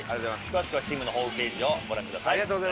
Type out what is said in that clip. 詳しくはチームのホームページをご覧ください。